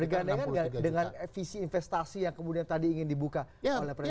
bergandengan nggak dengan visi investasi yang kemudian tadi ingin dibuka oleh presiden